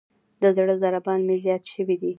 د زړه ضربان مې زیات شوئ دی.